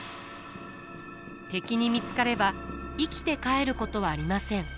敵に見つかれば生きて帰ることはありません。